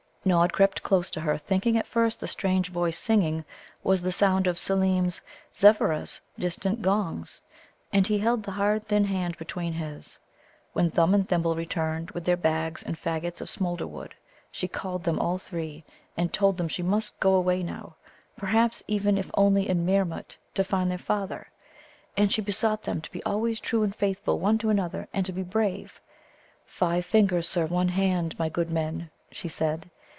Nod crept close to her, thinking at first the strange voice singing was the sound of Seelem's Zevveras' distant gongs, and he held the hard thin hand between his. When Thumb and Thimble returned with their bags and faggots of smoulder wood, she called them all three, and told them she too must go away now, perhaps even, if only in Meermut, to find their father. And she besought them to be always true and faithful one to another, and to be brave. "Five fingers serve one hand, my good men," she said.